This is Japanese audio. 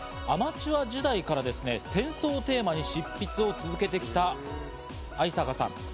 アマチュア時代から戦争をテーマに執筆を続けてきた逢坂さん。